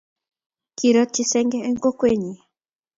Kiirotyi senge eng' kokwenyin